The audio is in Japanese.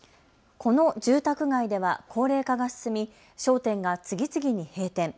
この住宅街では高齢化が進み商店が次々に閉店。